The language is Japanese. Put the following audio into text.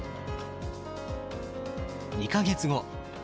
２か月後。